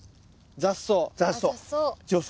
雑草。